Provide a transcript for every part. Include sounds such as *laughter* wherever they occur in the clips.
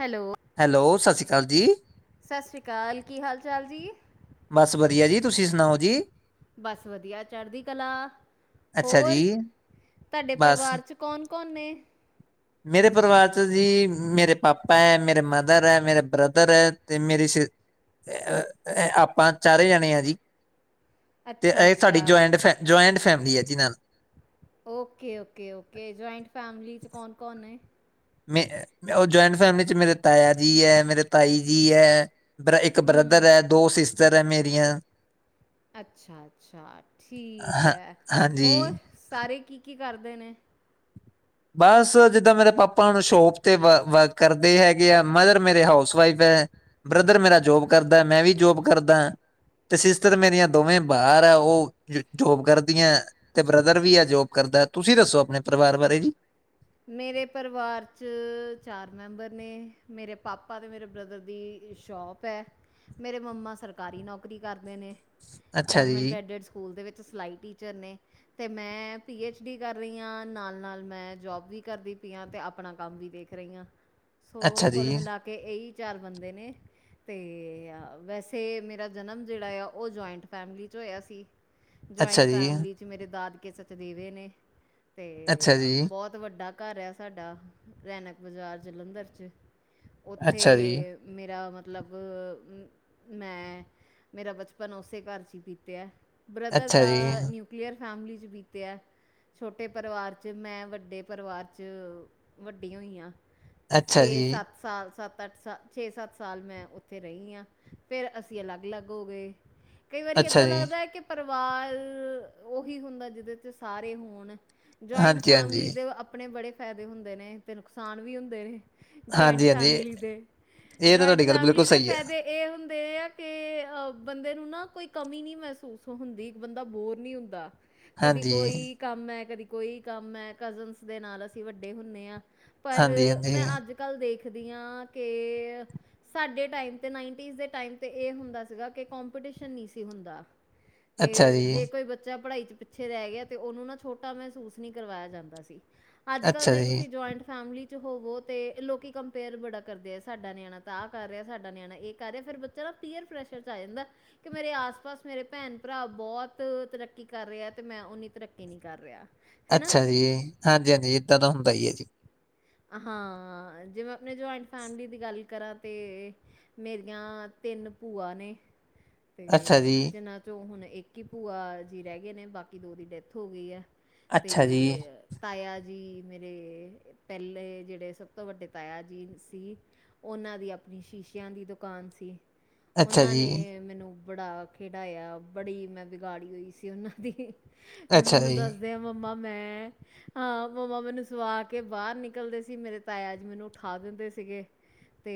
Hello. Hello ਸਤਿ ਸ਼੍ਰੀ ਅਕਾਲ ਜੀ। ਸਤਿ ਸ਼੍ਰੀ ਅਕਾਲ ਕੀ ਹਾਲ ਚਾਲ ਜੀ। ਬਸ ਵਧੀਆ ਜੀ ਤੁਸੀਂ ਸੁਣਾਓ ਜੀ। ਬਸ ਵਧੀਆ ਚੜ੍ਹਦੀ ਕਲਾ ਅੱਛਾ ਹੋਰ ਜੀ, ਤੁਹਾਡੇ ਬਸ ਪਰਿਵਾਰ ਚ। ਕੌਣ ਕੌਣ ਨੇ। ਮੇਰੇ ਪਰਿਵਾਰ ਚ ਜੀ ਮੇਰੇ ਪਾਪਾ ਹੈ ਮੇਰੇ ਮਦਰ ਹੈ ਮੇਰੇ ਬ੍ਰਦਰ ਹੈ ਤੇ ਮੇਰੀ ਸ। ਆਪਾਂ ਚਾਰੇ ਜਾਣੇ ਆ ਜੀ ਤੇ ਅੱਛਾ ਇਹ ਸਾਡੀ ਅੱਛਾ ਜੁਆਇੰਟ ਫ। ਜੁਇੰਟ ਫੈਮਲੀ ਹੈ ਜਿਹ ਨਾਲ okay okay okay joint family 'ਚ ਕੌਣ ਕੌਣ ਹੈ। ਮੈਰੀ ਉਹ ਜਆਇੰਟ ਫੈਮਲੀ ਚ ਮੇਰੇ ਤਾਇਆ ਜੀ ਹੈ ਮੇਰੇ ਤਾਈ ਜੀ ਹੈ। ਬ ਇੱਕ ਬ੍ਰਦਰ ਹੂੰ ਹੈ ਦੋ ਸਿਸਟਰ ਹੈ ਮੇਰੀਆਂ। ਅੱਛਾ ਅੱਛਾ ਠੀਕ ਹਾਂ ਹੈ ਹਾਂਜੀ। ਹੋਰ। ਸਾਰੇ ਕੀ ਕੀ ਕਰਦੇ ਨੇ ਬਸ ਜਿੱਦਾਂ ਮੇਰੇ ਪਾਪਾ ਹ ਸ਼ੋਪ ਤੇ ਵ ਕਰਦੇ ਹੈਗੇ ਆ ਮਦਰ ਮੇਰੇ ਹਾਊਸ ਵਾਈਫ ਹੈ ਬ੍ਰਦਰ ਮੇਰਾ ਜੋਬ ਕਰਦਾ ਮੈਂ ਵੀ ਜੋਬ ਕਰਦਾ। ਤੇ ਸਿਸਟਰ ਮੇਰੀਆਂ ਦੋਵੇਂ ਬਾਰ ਆ ਉਹ ਜੋਬ ਕਰਦੀਆਂ। ਤੇ ਬ੍ਰਦਰ ਵੀ ਆ ਜੋਬ ਕਰਦਾ ਤੁਸੀਂ ਦੱਸੋ ਆਪਣੇ ਪਰਿਵਾਰ ਬਾਰੇ ਜ ਮੇਰੇ ਪਰਿਵਾਰ 'ਚ ਚਾਰ ਮੈਂਬਰ ਨੇ ਮੇਰੇ ਪਾਪਾ ਅਤੇ ਮੇਰੇ ਬ੍ਰਦਰ ਦੀ ਸ਼ੋਪ ਮੇਰੇ ਮੰਮਾ ਸਰਕਾਰੀ ਨੌਕਰੀ ਕਰਦੇ ਨੇ ਅੱਛਾ ਗਵਰਮੈਂਟ ਜੀ ਐਡਡ ਸਕੂਲ ਦੇ ਵਿੱਚ ਸਿਲਾਈ ਟੀਚਰ ਨੇ ਅਤੇ ਮੈਂ ਪੀ ਐੱਚ ਡੀ ਕਰ ਰਹੀ ਹਾਂ ਨਾਲ ਨਾਲ ਮੈਂ ਜੋਬ ਵੀ ਕਰਦੀ ਪਈਆਂ ਤੇ ਆਪਣਾ ਕੰਮ ਵੀ ਦੇਖ ਰਹੀਆਂ ਸੋ ਅੱਛਾ ਜੀ ਕੁਲ ਮਿਲਾ ਕੇ ਕੇ ਇਹੀ ਚਾਰ ਬੰਦੇ ਨੇ। ਤੇ ਵੈਸੇ ਮੇਰਾ ਜਨਮ ਜਿਹੜਾ ਆ ਉਹ ਜੁਆਇੰਟ ਫੈਮਿਲੀ ' ਹੋਇਆ ਸੀ ਅੱਛਾ ਜੁਆਇੰਟ ਜੀ ਫੈਮਿਲੀ 'ਚ ਮੇਰੇ ਦਾਦਕੇ ਸਚਦੇਵੇ ਨੇ ਅਤੇ ਅੱਛਾ ਜੀ ਬਹੁਤ ਬਹੁਤ ਵੱਡਾ ਘਰ ਆ ਸਾਡਾ ਰੈਨਕ ਬਾਜ਼ਾਰ ਜਲੰਧਰ ਚ ਉੱਥੇ ਅੱਛਾ ਜੀ ਮੇਰਾ ਮਤਲਬ ਮੈਂ ਮੇਰਾ ਬਚਪਨ ਉਸੇ ਘਰ 'ਚ ਹੀ ਬੀਤਿਆ ਬ੍ਰਦਰ ਅੱਛਾ ਦਾ ਜੀ ਨਿਊਕਲੀਅਰ ਫੈਮਲੀ 'ਚ ਬੀਤਿਆ ਛੋਟੇ ਪਰਿਵਾਰ 'ਚ ਮੈਂ ਵੱਡੇ ਪਰਿਵਾਰ 'ਚ ਵੱਡੀਆਂ ਹੋਈਆਂ ਅੱਛਾ ਛੇ ਜੀ ਸੱਤ ਸਾਲ ਸੱਤ ਅੱਠ ਸ ਛੇ ਸੱਤ ਸਾਲ ਮੈਂ ਉੱਥੇ ਰਹੀ ਆ। ਫਿਰ ਅਸੀਂ ਅਲੱਗ ਅਲੱਗ ਹੋ ਗਏ। ਕਈ ਵਾਰੀ ਅੱਛਾ ਏਦਾਂ ਜੀ ਲੱਗਦਾ ਹੈ ਕਿ ਪਰਿਵਾਰ ਉਹੀ ਹੁੰਦਾ ਜਿਹਦੇ ਚ ਸਾਰੇ ਹੋਣ ਜੁਆਇੰਟ ਹਾਂਜੀ ਹਾਂਜੀ ਫੈਮਲੀ ਦੇ ਆਪਣੇ ਬੜੇ ਫਾਇਦੇ ਹੁੰਦੇ ਨੇ ਤੇ ਨੁਕਸਾਨ ਵੀ ਹੁੰਦੇ ਨੇ। ਜਾਇੰਟ ਹਾਂਜੀ ਹਾਂਜੀ ਫੈਮਿਲੀ ਦੇ ਇਹ ਤਾਂ ਜਇੰਟ ਤੁਹਾਡੀ ਗੱਲ ਬਿਲਕੁਲ ਫੈਮਿਲੀ ਦੇ ਸਹੀ ਹੈ ਫਾਇਦੇ ਇਹ ਹੁੰਦੇ ਆ ਕਿ ਅ ਬੰਦੇ ਨੂੰ ਨਾ ਕੋਈ ਕਮੀ ਨਹੀਂ ਮਹਿਸੂਸ ਹੁੰਦੀ ਬੰਦਾ ਬੋਰ ਨੀ ਹੁੰਦਾ। ਕਦੀ ਹਾਂਜੀ ਕੋਈ ਕੰਮ ਹੈ ਕਦੀ ਕੋਈ ਕੰਮ ਹੈ ਕਜ਼ਨਸ ਦੇ ਨਾਲ ਅਸੀਂ ਵੱਡੇ ਹੁੰਦੇ ਹਾਂ। ਪਰ ਹਾਂਜੀ ਹਾਂਜੀ ਮੈਂ ਅੱਜ ਕੱਲ੍ਹ ਦੇਖਦੀ ਹਾਂ ਕਿ। ਸਾਡੇ ਟਮ ਤੇ ਨ ਟਮ ਤੇ ਇਹ ਹੁੰਦਾ ਸੀ ਕਿ ਕੰਪੀਟੀਸ਼ਨ ਨਹੀਂ ਸੀ ਹੁੰਦਾ। ਅੱਛਾ ਕਿ ਜੀ ਜੇ ਕੋਈ ਬੱਚਾ ਪੜ੍ਹਾਈ ਚ ਪਿੱਛੇ ਰਹਿ ਗਿਆ ਤੇ ਉਹਨੂੰ ਨਾ ਛੋਟਾ ਮਹਿਸੂਸ ਨਹੀਂ ਕਰਵਾਇਆ ਜਾਂਦਾ ਸੀ ਅੱਜ ਕੱਲ ਅੱਛਾ ਜੇ ਜੀ ਤੁਸੀਂ ਜੁਆਇੰਟ ਫੈਮਲੀ। ਹੋਵੋ ਤੇ ਲੋਕੀ ਕੰਪੇਅਰ ਬੜਾ ਕਰਦੇ ਆ ਸਾਡਾ ਨਿਆਣਾ ਤਾਂ ਆਹ ਕਰ ਰਿਹਾ ਸਾਡਾ ਨਿਆਣਾ ਇਹ ਕਰ ਰਿਹਾ ਫੇਿਰ ਚਲੋੀਅਰ ਫੈਸ਼ਰ ਚ ਆ ਜਾਂਦਾ ਕਿ ਮੇਰੇ ਆਸ ਪਾਸ ਮੇਰੇ ਭੈਣ ਭਰਾ ਬਹੁਤ ਤਰੱਕੀ ਕਰ ਰਿਹਾ ਹੈ ਤੇ ਮੈਂ ਨੀ ਤਰੱਕੀ ਨਹੀਂ ਕਰ ਰਿਹਾ। ਹੈਨਾ? ਅੱਛਾ ਜੀ ਹਾਂਜੀ ਹਾਂਜੀ ਏਦਾਂ ਤਾਂ ਹੁੰਦਾ ਹੀ ਹੈ ਜੀ। ਹਾਂ ਜਿਵੇਂ ਆਪਣੇ ਜੁਆਇੰਟ ਫੈਮਿਲੀ ਦੀ ਗੱਲ ਕਰਾ ਤੇ ਮੇਰੀਆਂ ਤਿੰਨ ਭੂਆ ਨੇ। ਅੱਛਾ ਅਤੇ ਜੀ ਜਿਨਾਂ ਹੁਣ ਇੱਕ ਹੀ ਭੂਆ ਜੀ ਰਹਿ ਗਏ ਨੇ ਬਾਕੀ ਦੋ ਦੀ ਡੈਥ ਹੋ ਗਈ ਹੈ। ਤੇ ਅੱਛਾ ਜੀ ਤਾਇਆ ਜੀ ਮੇਰੇ। ਪਹਿਲੇ ਜਿਹੜੇ ਸਭ ਤੋਂ ਵੱਡੇ ਤਾਇਆ ਜੀ ਸੀ। ਉਹਨਾਂ ਦੀ ਆਪਣੀ ਸ਼ੀਸ਼ਿਆਂ ਦੀ ਦੁਕਾਨ ਸੀ। ਅੱਛਾ ਉਹਨਾਂ ਜੀ ਨੇ ਮੈਨੂੰ ਬੜਾ ਖੇਡਾਇਆ। ਬੜੀ ਮੈਂ ਬਿਗਾੜੀ ਹੋਈ ਸੀ ਉਹਨਾਂ ਦੀ। ਅੱਛਾ ਮੈਨੂੰ ਜੀ ਦੱਸਦੇ ਆ ਮੰਮਾ। ਮੈਂ ਹਾਂ ਮੰਮਾ ਮੈਨੂੰ ਸਵਾ ਕੇ ਬਾਹਰ ਨਿਕਲਦੇ ਸੀ। ਮੇਰੇ ਤਾਇਆਜ ਮੈਨੂੰ ਉਠਾ ਦਿੰਦੇ ਸੀਗੇ। ਤੇ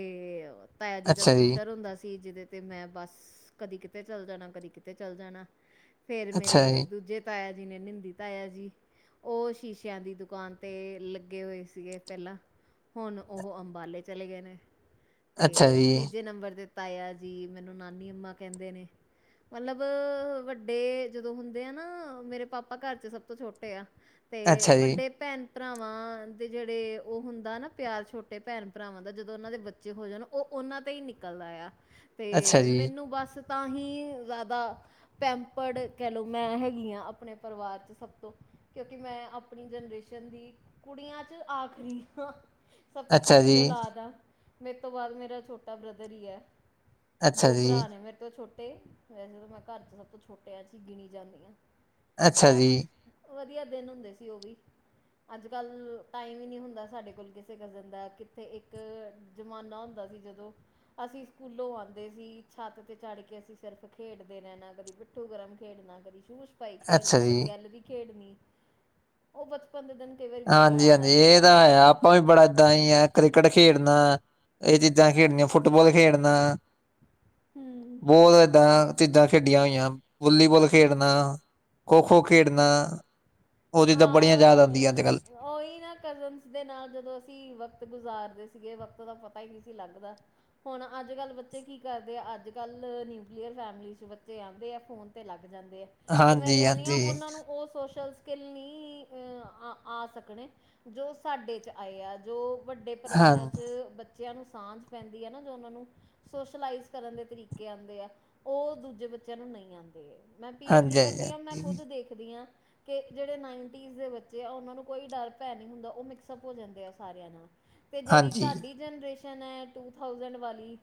ਤਾਇਆ ਜੀ ਦਾ ਸਕੂਟਰ ਹੁੰਦਾ ਸੀ। ਜਿਹਦੇ ਤੇ ਮੈਂ ਬਸ ਕਦੀ ਕਿਤੇ ਚੱਲ ਜਾਣਾ, ਕਦੀ ਕਿਤੇ ਚੱਲ ਜਾਣਾ, ਫੇਰ ਅੱਛਾ ਮੇਰੇ ਜੀ ਦੂਜੇ ਤਾਇਆ ਜੀ ਨੇ ਨਿੰਦੀ, ਤਾਇਆ ਜੀ ਉਹ ਸ਼ੀਸ਼ਿਆਂ ਦੀ ਦੁਕਾਨ ਤੇ ਲ ਲੱਗੇ ਹੋਏ ਸੀਗੇ ਪਹਿਲਾਂ। ਹੁਣ ਉਹ ਅੰਬਾਲੇ ਚਲੇ ਗਏ ਨੇ। ਅੱਛਾ ਤੇ ਜੀ ਤੀਜੇ ਨੰਬਰ ਤੇ ਤਾਇਆ ਜੀ। ਮੈਨੂੰ ਨਾਨੀ ਅਮਾ ਕਹਿੰਦੇ ਨੇ। ਮਤਲਬ ਵੱਡੇ ਜਦੋਂ ਹੁੰਦੇ ਆ ਨਾ। ਮੇਰੇ ਪਾਪਾ ਘਰ ਚ ਸਭ ਤੋਂ ਛੋਟੇ ਆ। ਤੇ ਅੱਛਾ ਜੀ ਵੱਡੇ ਭੈਣ, ਭਰਾਵਾਂ ਦੇ ਜਿਹੜੇ ਉਹ ਹੁੰਦਾ ਨਾ ਪਿਆਰ ਛੋਟੇ ਭੈਣ, ਭਰਾਵਾਂ ਦਾ। ਜਦੋਂ ਉਹਨਾਂ ਦੇ ਬੱਚੇ ਹੋ ਜਾਣ ਉਹ ਉਹਨਾਂ ਤੇ ਹੀ ਨਿਕਲਦਾ ਆ। ਅੱਛਾ ਤੇ ਜੀ ਮੈਨੂੰ ਬਸ ਤਾਂ ਹੀ ਜ਼ਿਆਦਾ ਪੈਂਪਰਡ ਕਹਿ ਲਓ ਮੈਂ ਹੈਗੀ ਹਾਂ। ਆਪਣੇ ਪਰਿਵਾਰ ਚ ਸਭ ਤੋਂ ਕਿਉਂਕਿ ਮੈਂ ਆਪਣੀ ਜਨਰੇਸ਼ਨ ਦੀ ਕੁੜੀਆਂ 'ਚ ਆਖਰੀ ਹਾ। ਸਭ ਤੋਂ ਅੱਛਾ ਛੋਟੀ ਜੀ ਔਲਾਦ ਆ। ਮੇਰੇ ਤੋਂ ਬਾਅਦ ਮੇਰਾ ਛੋਟਾ ਬ੍ਰਦਰ ਹੀ ਹੈ। ਅੱਛਾ ਦੋ ਭਰਾ ਜੀ ਨੇ ਮੇਰੇ ਤੋਂ ਛੋਟ ਨੇ, ਵੈਸੇ ਤਾਂ ਮੈਂ ਘਰ ਚ ਸਭ ਤੋਂ ਛੋਟਿਆਂ ਚ ਗਿਣੀ ਜਾਂਦੀ ਹਾਂ। ਅੱਛਾ ਪਰ ਜੀ ਵਧੀਆ ਦਿਨ ਹੁੰਦੇ ਸੀ ਉਹ ਵੀ। ਗੱਲ ਟਾਈਮ ਹੀ ਨਹੀਂ ਹੁੰਦਾ ਸਾਡੇ ਕੋਲ ਕਿਸੇ ਕਜ਼ਨ ਦਾ। ਕਿੱਥੇ ਇੱਕ ਜ਼ਮਾਨਾ ਹੁੰਦਾ ਸੀ। ਜਦੋਂ ਅਸੀਂ ਸਕੂਲੋਂ ਆਉਂਦੇ ਸੀ। ਛੱਤ ਤੇ ਚੜ੍ਹ ਕੇ ਅਸੀਂ ਸਿਰਫ਼ ਖੇਡਦੇ ਰਹਿਣਾ। ਕਦੀ ਪਿੱਠ ਗਰਮ ਖੇਡ ਨਾ। ਕਰ ਸ਼ ਭਾਈ ਅੱਛਾ ਖੇਡਣਾ, ਜੀ ਕਦੀ ਗੈਲਰੀ ਖੇਡਣੀ, ਉਹ ਬਚਪਨ ਦੇ ਦਿਨ ਕਈ ਵਾਰੀ ਬੜੇ ਹਾਂਜੀ, ਯਾਦ ਹਾਂਜੀ, ਆਉਂਦੇ ਇਹ ਆ ਤਾਂ ਆਪ ਆਪਾਂ ਵੀ ਬੜਾ ਏਦਾਂ ਹੀ ਆ। ਕ੍ਰਿਕਟ ਖੇਡਣਾ ਇਹ ਚੀਜ਼ਾਂ ਖੇਡਣੀਆਂ। ਫੁੱਟਬਾਲ ਖੇਡਣਾ, ਹੂੰ ਬਹੁਤ ਏਦਾਂ ਚੀਜ਼ਾਂ ਖੇਡੀਆਂ ਹੋਈਆਂ ਹਨ। ਵੋਲੀਬੋਲ ਖੇਡਣਾਂ, ਖੋਖੋ ਖੇਡਣਾਂ। ਹਾਂ। ਉਹੀ ਨਾ ਕਜ਼ਨ ਦੇ ਨਾਲ ਜਦੋਂ, ਅਸੀਂ ਵਕਤ ਗੁਜ਼ਾਰਦੇ ਸੀਗੇ, ਵਕਤ ਦਾ ਪਤਾ ਹੀ ਨਹੀਂ ਸੀ ਲੱਗਦਾ। ਹੁਣ, ਅੱਜ ਕੱਲ੍ਹ, ਬੱਚੇ ਕੀ ਕਰਦੇ ਆ। ਅੱਜ ਕੱਲ੍ਹ, ਨਿਊਕਲੀਅਰ ਫੈਮਲੀ ਚ ਬੱਚੇ ਆਉਂਦੇ ਆ। ਫੋਨ ਤੇ ਲੱਗ ਜਾਂਦੇ ਆ ਤੇ, ਮੈਂ ਹਾਂਜੀ ਕਹਿੰਦੀ ਹਾਂ ਹਾਂਜੀ ਉਹਨਾਂ ਨੂੰ ਉਹ ਸੋਸ਼ਲ ਸਕਿੱਲ ਨਹੀਂ ਆ ਆ ਸਕਣੇ, ਜੋ ਸਾਡੇ 'ਵਿਚ ਆਏ ਆ। ਜੋ ਵੱਡੇ ਪਰਿਵਾਰਾਂ, ਹਾਂ ਵਿਚ ਬੱਚਿਆਂ ਨੂੰ ਸਾਂਝ ਪੈਂਦੀ ਹੈ ਨਾ ਜੋ, ਉਹਨਾਂ ਨੂੰ ਸੋਸ਼ਲਾਈਜ਼ ਕਰਨ ਦੇ ਤਰੀਕੇ ਆਉਂਦੇ ਆ। ਉਹ ਦੂਜੇ ਬੱਚਿਆਂ ਨੂੰ ਨਹੀਂ ਆਉਂਦੇ ਆ। ਮੈਂ ਪੀ ਐਚ ਡੀ ਹਾਂਜੀ ਹਾਂਜੀ ਕਰਦੀ ਹਾਂ। ਮੈਂ ਖੁਦ ਹਾਂਜੀ ਦੇਖਦੀ ਹਾਂ। ਕਿ ਜਿਹੜੇ ਨਾਈਨਟੀਜ਼ ਦੇ ਬੱਚੇ ਆ ਉਹਨਾਂ ਨੂੰ ਕੋਈ ਡਰ ਭੈ ਨਹੀਂ ਹੁੰਦਾ। ਉਹ ਮਿਕਸਅਪ ਹੋ ਜਾਂਦੇ ਆ ਸਾਰਿਆਂ ਦੇ ਨਾਲ। ਤੇ ਜਿਹੜੀ ਹਾਂਜੀ ਤੁਹਾਡੀ ਜਨਰੇਸ਼ਨ ਹੈ ਟੂ ਥਾਸਡ ਵਾਲੀ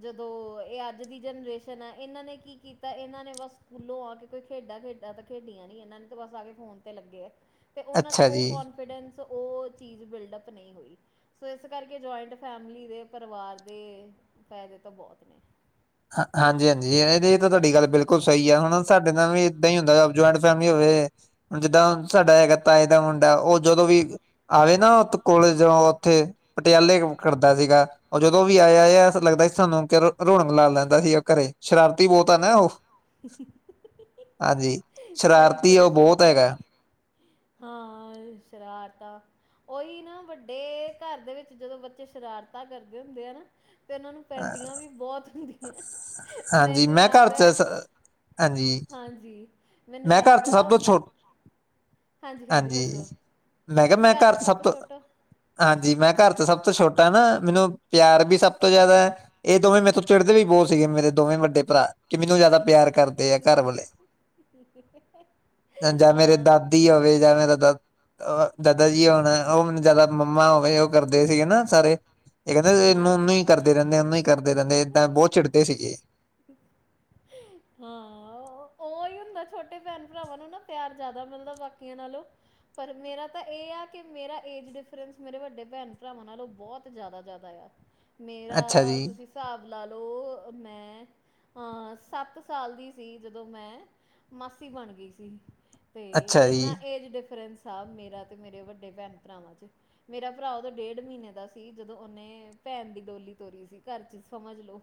ਜਦੋਂ ਇਹ ਅੱਜ ਦੀ ਜਨਰੇਸ਼ਨ ਹੈ ਇਹਨਾਂ ਨੇ ਕੀ ਕੀਤਾ। ਇਹਨਾਂ ਨੇ ਬਸ ਸਕੂਲੋਂ ਆ ਕੇ ਕੋਈ ਖੇਡਾਂ- ਖੇਡਾਂ ਤਾਂ ਖੇਡੀਆਂ ਨੀ। ਇਹਨਾਂ ਨੇ ਤਾਂ ਬਸ ਆ ਕੇ ਫੋਨ ਤੇ ਲੱਗੇ ਆ। ਤੇ ਉਹਨਾਂ ਚ ਅੱਛਾ ਉਹ ਜੀ ਕਨਫੀਡੈਂਸ ਉਹ ਚੀਜ਼ ਬਿਲਡਅਪ ਨਹੀਂ ਹੋਈ। ਸੋ ਇਸ ਕਰਕੇ ਜੁਆਇੰਟ ਫੈਮਿਲੀ ਦੇ ਪਰਿਵਾਰ ਦੇ ਫਾਇਦੇ ਤਾਂ ਬਹੁਤ ਨੇ ਹ ਹਾਂਜੀ -ਹਾਂਜੀ ਇਹ ਤਾਂ ਤੁਹਾਡੀ ਗੱਲ ਬਿਲਕੁਲ ਸਹੀ ਹੈ। ਹੁਣ ਸਾਡੇ ਨਾਲ ਵੀ ਏਦਾਂ ਹੀ ਹੁੰਦਾ ਜਆਇੰਟ ਫੈਮਿਲੀ ਹੋਵੇ। ਹੁਣ ਜਿੱਦਾਂ ਸਾਡਾ ਹੈਗਾ। ਤਾਏ ਦਾ ਮੁੰਡਾ, ਉਹ ਜਦੋਂ ਵੀ ਆਵੇ ਨਾ ਉ ਕੋਲਜ ਤੋ ਉੱਥੇ, ਪਟਿਆਲੇ ਕ ੜਦਾ ਸੀਗਾ। ਉਹ ਜਦੋਂ ਵੀ ਆਇਆ ਲੱਗਦਾ ਸੀ ਸਾਨੂੰ ਕਿ ਰੋਣ ਲਾ ਲੈਂਦਾ ਸੀਗਾ ਘਰੇ, ਸ਼ਰਾਰਤੀ ਬਹੁਤ ਆ ਨਾ ਉਹ। ਹਾਂਜੀ, ਸ਼ਰਾਰਤੀ ਉਹ ਬਹੁਤ ਹੈਗਾ। ਹੂੰ, ਏ ਸ਼ਰਾਰਤਾਂ ਉਹੀ ਨਾ ਵੱਡੇ ਘਰ ਦੇ ਵਿੱਚ, ਜਦੋਂ ਬੱਚੇ ਸ਼ਰਾਰਤਾਂ ਕਰਦੇ ਹੁੰਦੇ ਆ ਨਾ। ਅਤੇ ਉਹਨਾਂ, ਨੂੰ ਪੈਂਦੀਆਂ ਵੀ ਬਹੁਤ ਹੁੰਦੀਆਂ। ਹਾਂਜੀ ਮੈਨੂੰ ਮੈਂ ਘਰ ਯਾਦ 'ਚ ਹੈ। ਸ- ਹਾਂਜੀ ਹਾਂਜੀ, ਮੈਨੂੰ ਮੈਂ ਘਰ ਯਾਦ 'ਚ ਐ ਸਭ ਤੋਂ ਛੋ ਹਾਂਜੀ, ਮੈਂ ਕੇਆ ਤੁਸੀਂ ਮੈਂ ਘਾਰ ਘਰ ਚ ਤੋ ਸਭ ਸਾਬ ਤੋਂ ਛੋਟੋ ਹਾਂਜੀ, ਮੈਂ ਘਾਰ ਚ ਸਬ ਤੋਂ ਛੋਟਾ ਨਾ, ਮੈਨੂੰ ਪੇਆਰ ਵੀ ਸਬ ਤੋਂ ਜਾਦੈ, ਏ ਦੋਵੇਂ ਮੇਰੇ ਤੋਂ ਚਿੜਦੇ ਵੀ ਬੋਤ ਸੀਗੇ ਮੇਰੇ ਦੋਵੇਂ ਵੱਡੇ ਭਰਾ। ਕੀ ਮੈਨੂੰ, ਜੇਆਦਾ ਪੇਆਰ ਕਰਦੇ ਆ ਘਰ ਵਾਲੇ਼। *inaudible* ਜਾਂ ਮੇਰੇ ਹਾਂ ਦਾਦੀ ਹੋਵੇ, ਯਾ ਮੇਰਾ ਦਾ ਅ ਦਾਦਾ ਜੀ ਹੋਣਾ, ਓ ਮੈਨੂੰ ਜਾਦਾ ਮੰਮਾ ਹੋਵੇ ਓ ਕਰਦੇ ਸੀਗੇ ਨਾ ਸਾਰੇ ਏ ਏਨੂੰ ਹਾਂ ਊਨਾ ਈ ਕਰਦੇ ਰੈਦੇ ਊਨਾ ਹੀ ਕਰਦੇ ਰੈਂਦੇ, ਏਦਾਂ ਬੋਤ ਚਿੜਦੇ ਸੀਗੇ‌। ਹਾਂ, *unintelligible* ਓਈ ਹੁੰਦਾਂ ਛੋਟੇ ਭੈਣ-ਭਰਾਵਾਂ ਨੂੰ ਨਾ, ਪੇਆਰ ਜਾਦਾ ਮਿਲਦਾ ਬਾਕੀਆਂ ਨਾਲੋਂ। ਪਰ ਮੇਰਾ ਤਾਂ ਏ ਆ, ਕਿ ਮੇਰਾ ਏਜ ਡਿਫਰੈਂਸ ਮੇਰੇ ਵੱਡੇ ਭੈਣ-ਭਰਾਵਾਂ ਨਾਲੋਂ ਬੋਤ ਜਾਦਾ-ਜਾਦਾ, ਯਾ। ਅੱਛਾ ਮੇਰਾ, ਜੀ ਤੁਸੀ ਸ੍ਹਾਬ ਲਾ ਲੋ ਮੈਂ ਹਾਂ ਸਾੱਤ ਸਾਲ ਦੀ ਸੀ, ਜਦੋਂ ਮੈਂ ਮਾਸੀ ਬਣ ਗਈ ਸੀ। ਤੇ ਅੱਛਾ ਜੀ ਏਨਾ ਏਜ ਡਿਫਰੈਂਸ ਆ, ਮੇਰਾ ਤੇ ਮੇਰੇ ਵੱਡੇ ਭੈਣ ਭਰਾਵਾਂ ਚ। ਮੇਰਾ ਭਰਾ, ਓਦੋਂ ਡੇੜ ਮ੍ਹਿਨੇ ਦਾ ਸੀ, ਜਦੋਂ ਓਨੇ ਭੈਣ ਦੀ ਡੋਲੀ ਤੋਰੀ ਸੀ ਘਾਰ ਚ ਸਮਝ ਲੋ।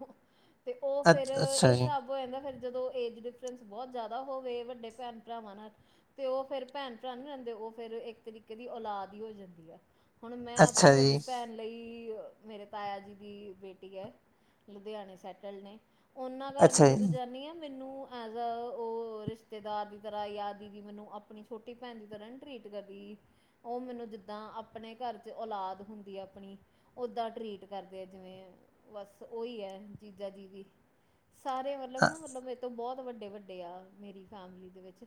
ਤੇ ਓ ਅ ਫੇਰ ਅੱਛਾ ਏ ਜੀ ਸ੍ਹਾਬ ਹੋ ਜਾਂਦਾ ਫੇਰ ਜਦੋਂ ਏਜ ਡਿਫਰੈਂਸ ਬੋਤ ਜਾਦਾ ਹੋਵੇ ਵੱਡੇ ਭੈਣ, ਭਰਾਵਾਂ ਨਾਲ। ਤੇ ਓ ਫੇਰ ਭੈਨ ਭਰਾ ਨੀ ਰੈਂਦੇ, ਓ ਫੇਰ ਇੱਕ ਤਰੀਕੇ ਦੀ ਔਲਾਦ ਈ ਹੋ ਜਾਂਦੀ ਆ। ਹੋਣ ਮੈਂ, ਆਪਣੀ ਅੱਛਾ ਵੱਡੀ ਜੀ ਭੈਨ ਲਈ ਅ ਮੇਰੇ ਤਾਏਆ ਜੀ ਦੀ ਬੇਟੀ ਐ, ਲੁਧੇਆਣੇ ਸੈਟਲ ਨੇ ਓਨਾਂ ਅੱਛਾ ਘਾਰ ਮੈਂ ਜਦੋਂ ਜੀ ਜਾਂਨੀ ਆਂ ਮੈਨੂੰ ਐਜ ਅ, ਓ ਰਿਸ਼ਤੇਦਾਰ ਦੀ ਤਰਾ ਯਾ ਦੀਦੀ ਮੈਨੂੰ ਆਪਣੀ ਛੋਟੀ ਭੈਨਦੀ ਤਰਾ ਨੀ ਟ੍ਰੀਟ ਕਰਦੀ ਓ ਮੈਨੂੰ ਜਿੱਦਾਂ, ਆਪਣੇ ਘਾਰ ਚ ਔਲਾਦ ਹੁੰਦੀ ਆ ਆਪਣੀ ਓਦਾ ਟ੍ਰੀਟ ਕਰਦੇ ਆ ਜਿਵੇਂ, ਬਾੱਸ ਓਈ ਐ ਜੀਜਾ ਜੀ ਵੀ। ਸਾਰੇ ਮਤਲਬ ਨਾ ਮਤਲਬ ਮੇਤੋ ਬੋਤ ਵੱਡੇ-ਵੱਡੇ ਆ, ਮੇਰੀ ਫੈਮਲੀ ਦੇ ਵਿੱਚ।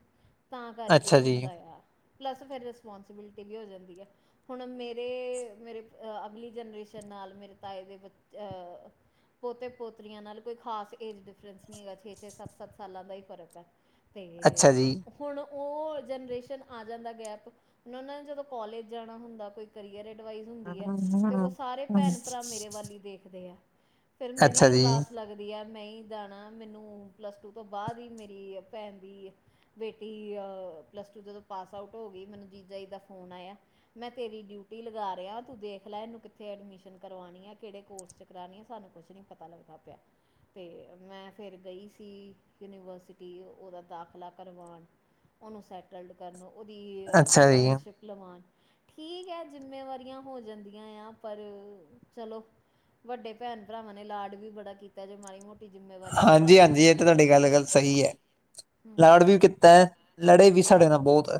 ਤਾਂ ਅ- ਕਾਰਕੇ ਅੱਛਾ ਜੀ ਹੁੰਦਾ ਯਾ, ਪਲੱਸ ਫੇਰ ਰਿਸਪੋਂਸੀਬਿਲਟੀ ਵੀ ਹੋ ਜਾਂਦੀ ਆ। ਹੁਣ ਮੇਰੇ, ਮੇਰੇ ਅਗਲੀ ਜਨਰੇਸ਼ਨ ਨਾਲ਼ ਮੇਰੇ ਤਾਏ ਦੇ ਬ ਅ ਪੋਤੇ, ਪੋਤਰੀਆਂ ਨਾਲ ਕੋਈ ਖਾਸ ਏਜ ਡਿਫਰੈਂਸ ਨਈ ਹੈਗਾ ਛੇ ਸਾੱਤ-ਸਾੱਤ ਸਾਲਾਂ ਦਾ ਈ ਫਰਕ ਐ ਤੇ ਅੱਛਾ ਜੀ ਹੁਣ ਓ ਜਨਰੇਸ਼ਨ ਆ ਜਾਂਦਾ ਗੈਪ, ਹੋਣ ਓਨਾਂ ਨੇ ਜਦੋਂ ਕੋਲੇਜ ਜਾਣਾ ਹੁੰਦਾ ਫ ਕਲੀਆ ਰੈਡਵਾਈਜ਼ ਹੁੰਦੀ ਐ, ਤੇ ਓ ਸਾਰੇ ਭੈਣ-ਭਰਾ ਮੇਰੇ ਵੱਲ ਈ ਦੇਖਦੇ ਆ। ਫੇਰ ਅੱਛਾ ਮੇਰੀ, ਜੀ ਕਲਾਸ ਲੱਗਦੀ ਆ, ਮੈਂ ਈ ਦਾਣਾ ਮੈਨੂੰ ਪਲੱਸ ਟੂ ਤੋਂ ਬਾਅ ਵੀ, ਮੇਰੀ ਭੈਣ ਦੀ ਬੇਟੀ ਅ, ਪਲੱਸ ਟੂ ਜਦੋਂ ਪਾਸ ਆਊਟ ਹੋ ਗੀ ਮੈਨੂੰ ਜੀਜਾ ਜੀ ਦਾ ਫੋਨ ਆਏਆ। ਮੈਂ ਤੇਰੀ ਡਿਊਟੀ ਲਗਾ ਰੇਆ, ਤੂੰ ਦੇਖ ਲੈ ਏਨੂੰ ਕਿੱਥੇ ਐਡਮਿਸ਼ਨ ਕਰਵਾਣੀ ਆ ਕੇੜੇ ਕੋਰਸ ਚ ਕਰਾਨੀ ਆ ਸਾਨੂੰ ਕੁਛ ਨੀ ਪਤਾ ਲੱਗਦਾ ਪੇਯਾ, ਤੇ ਮੈਂ ਫੇਰ ਗਈ ਯੂਨੀਵਰਸਿਟੀ, ਓਦਾ ਦਾਖਲਾ ਕਰਵਾਨ ਓਨੂੰ ਸੈਟ ਲਡ ਕਰਨ ਨੂੰ, ਓਦੀ ਅੱਛਾ ਜੀ ਇੰਟਰਨਸ਼ਿਪ ਲਵਾਨ ਠੀਕ ਐ, ਜ਼ਿੰਮੇਵਾਰੀਆਂ ਹੋ ਜਾਂਦੀਆਂ ਯਾ ਪਰ, ਚਲੋ ਵੱਡੇ ਭੈਣ, ਭਰਾਵਾਂ ਨੇ ਲਾੜ ਵੀ ਬੜਾ ਕੀਤਾ ਜੇ ਮਾੜੀ ਮੋਟੀ ਜਿੰਮੇਵਾਰੀਆਂ ਨਿਭਾਲਾਂਗੇ ਤੇ ਤੂਆਡੀ ਗੱਲ ਗੱਲ ਸਹੀ ਐ, ਲਾੜ ਹਮ ਵੀ ਕੀਤੈ ਲੜੇ ਵੀ ਸਾਡੇ ਨਾਲ ਬੋਤ ਐ।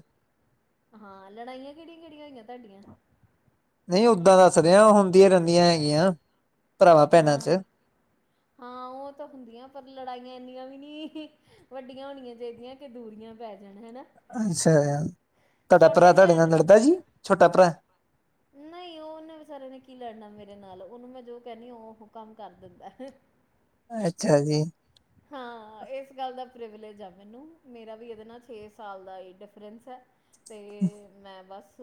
ਹਾਂ, ਲੜਾਈਆਂ ਕੇੜੀਆਂ-ਕੇੜੀਆਂ ਹੋਈਆਂ ਤੁਹਾਡੀਆਂ? ਨਈ ਓਦਾਂ ਦੱਸ ਰੇਆਂ ਹੁੰਦੀਆਂ ਰੈਂਦੀਆਂ ਹੈਗੀਆਂ, ਭਰਾ-ਭੈਨਾਂ ਹਾਂ ਚ। ਹਾਂ, ਓ ਤਾਂ ਹੁੰਦੀਆਂ ਪਰ ਲੜਾਈਆਂ ਏਨੀਆਂ ਵੀ ਨੀ ਵੱਡੀਆਂ ਹੋਣੀਆਂ ਚਾਈਦੀਆਂ ਕੇ ਦੂਰੀਆਂ ਈ ਪੈ ਜਾਣ ਹਨਾ। ਅੱਛਾ ਯਾ, ਤੁਆਡਾ ਛੋਟੇ ਭਰਾ ਤੁਆਡੇ ਭੈਣ ਨਾਲ ਲੜਦਾ ਜੀ ਛੋਟਾ ਭਰਾ? ਨਈ ਓਨੇ ਵਿਚਾਰੇ ਆਂ ਨੇ ਕੀ ਲੜਨਾ ਮੇਰੇ ਨਾਲ, ਓਨੂ ਮੈਂ ਜੋ ਕੈਨੀ ਆ ਓਹ ਓ ਕਾੰਮ ਕਰ ਦਿੰਦੈ। *unintelligible* ਅੱਛਾ ਜੀ। *unintelligible* ਹਾਂ, ਇਸ ਗੱਲ ਦਾ ਪ੍ਰਿਵਲੇਜ ਆ ਮੈਨੂੰ, ਮੇਰਾ ਵੀ ਇਹਦੇ ਨਾਲ ਛੇ-ਸਾਲ ਦਾ ਹੀ ਡਿਫਰੈਂਸ ਹੈ। ਤੇ, ਮੈਂ ਬਸ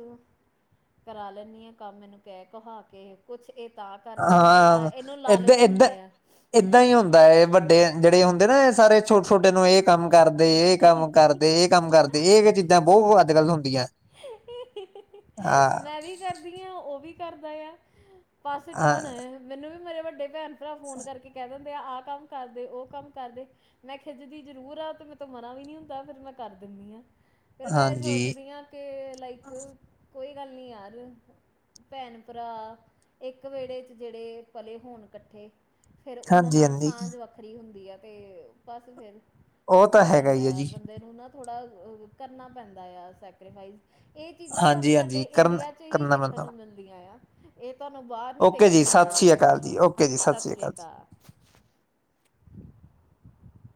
ਕਰਾ ਲੈਂਨੀ ਆਂ ਕੰਮ, ਇਹਨੁੰ ਕਹਿ-ਕਹਾਕੇ। ਪੁੱਛਕੇ ਤਾਂ ਕਰ ਦਿੰਦਾ ਯਾਂ, ਹਾਂ ਇਹਨੂੰ ਏਦਾਂ ਲਾਲਚ ਏਦਾਂ ਹੁੰਦਾ ਯਾ। ਏਦਾਂ ਹੀ ਹੁੰਦਾ ਏ, ਵੱਡੇ ਜਿਹੜੇ ਹੁੰਦੇ ਨਾ, ਇਹ ਸਾਰੇ ਛੋਟੇ-ਛੋਟੇ ਨੂੰ, ਇਹ ਕੰਮ ਕਰਦੇ, ਇਹ ਕੰਮ ਕਰਦੇ, ਇਹ ਕੰਮ ਕਰਦੇ, ਇਹ ਚੀਜ਼ਾਂ ਬਹੁਤ ਅੱਜ-ਕੱਲ ਹੁੰਦੀਆਂ। ਹਾਂ ''ਮੈਂ ਵੀ ਕਰਦੀ ਆਂ, ਉਹ ਵੀ ਕਰਦਾ ਯਾਦ, ਪਾਸ ਹਾਂ ਟੋਨ, ਮੈਨੂੰ ਵੀ ਮੇਰੇ ਵੱਡੇ ਭੈਣ, ਭਰਾ ਫੋਨ ਕਰਕੇ ਕਹਿ ਦਿੰਦੇ ਆ, ਆਹ ਕੰਮ ਕਰਦੇ, ਉਹ ਕੰਮ ਕਰਦੇ, ਮੈਂ ਖਿੱਝ ਦੀ ਜ਼ਰੂਰ ਆਂ, ਤੇ ਮੇਂਥੋ ਮਨਾ ਵੀ ਨਹੀ ਹੁੰਦਾ, ਫਿਰ ਮੈਂ ਕਰ ਦਿੰਨੀ ਆ, ਫੇਰ ਮੈਂ ਇਹ ਹਾਂਜੀ ਸੋਚਦੀ ਆਂ ਕਿ ਲਾਈਕ, ਕੋਈ ਗੱਲ ਨਹੀਂ ਯਾਰ ਭੈਣ-ਭਰਾ, ਇੱਕ ਵਿਹੜੇ'ਚ ਜਿਹੜੇ ਪਲੇ ਹੋਣ ਕੱਠੇ। ਫਿਰ ਉਹਨਾਂ ਹਾਂਜੀ ਨਾਲ ਹਾਂਜੀ ਸਾਂਝ ਵੱਖਰੀ ਹੁੰਦੀ ਆ, ਤੇ ਬਸ ਫਿਰ। ਉਹ ਤਾਂ ਹੋ ਹੈਗਾ ਜਾਂਦਾ ਹੀ ਹੈ ਯਾ, ਜੀ ਬੰਦੇ ਨੂੰ ਨਾ ਥੋੜਾ ਕਰਨਾ ਪੈਂਦਾ ਯਾਂ, ਸੈਕਰੀਫਾਈਸ। ਇਹ ਚੀਜ਼ਾਂ ਸਾਨੂੰ, ਹਾਂਜੀ ਸਾਡੇ ਹਾਂਜੀ ਕਰਨ ਇੰਡੀਆ'ਚ ਹੀ ਕਰਨਾ ਦੇਖਣ ਪੈਂਦਾ ਨੂੰ ਮਿਲਦੀਆਂ ਯਾ। ਇਹ ਤੁਹਾਨੂੰ ਬਾਹਰ ਨੀ ਓਕੇ ਦੇਖਣ ਜੀ ਨੂੰ ਸਤਿ ਸ਼੍ਰੀ ਮਿਲਣਾ। ਅਕਾਲ ਜੀ ਓਕੇ ਜੀ ਸਤਿ ਸ਼੍ਰੀ ਸ੍ਰੀ ਅਕਾਲ। *unintelligible*